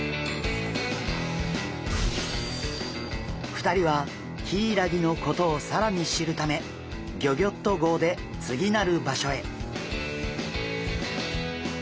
２人はヒイラギのことをさらに知るためギョギョッと号で次なる場所へ。